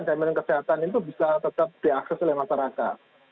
saya pikir kesehatan itu bisa tetap diakses oleh masyarakat